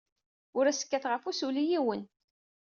Ur as-kkateɣ afus ula i yiwen.